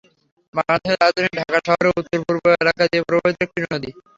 বাংলাদেশের রাজধানী ঢাকা শহরের উত্তর-পূর্ব এলাকা দিয়ে প্রবাহিত একটি নদী।